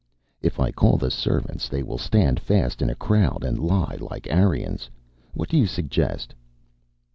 "If I call the servants they will stand fast in a crowd and lie like Aryans. What do you suggest?"